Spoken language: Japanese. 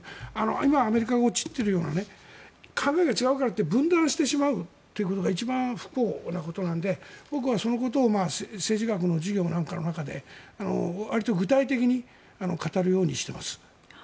今、アメリカが陥っているような考えが違うからって分断してしまうっていうことが一番不幸なので僕はそのことを政治学の授業なんかでわりと具体的に語るようにしています。